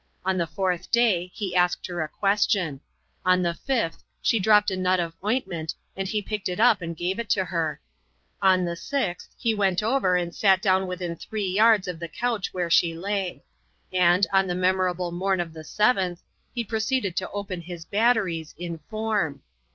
On the fourth day, he asked her a question ; <hi the fifth she dropped a nut of ointment, and he picked it up and gave it to her ; on ike sixth, he went over and sat down within three yards of the couch where she lay; and, on the memorable morn of the seventh, he proceeded to open his batteries in form.